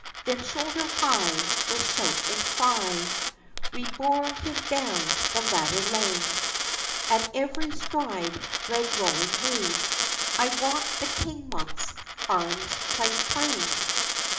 Then shoulder high, with shout and cry, We bore him down the ladder lang; At every stride Red Rowan made, I wot the Kinmont's airms playd clang!